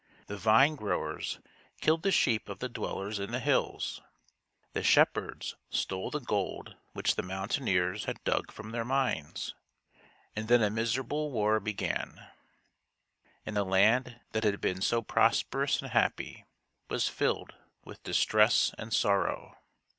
The vine growers killed the sheep of the dwellers in the hills. The shepherds stole the gold which the mountaineers had dug from their mines. And 87 88 THIRTY MORE FAMOUS STORIES then a miserable war began, and the land that had been so prosperous and happy was filled with distress and sorrow.